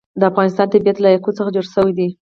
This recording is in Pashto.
د افغانستان طبیعت له یاقوت څخه جوړ شوی دی.